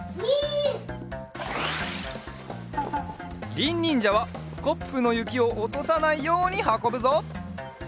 りんにんじゃはスコップのゆきをおとさないようにはこぶぞ。